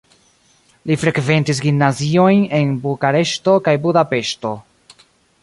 Li frekventis gimnaziojn en Bukareŝto kaj Budapeŝto.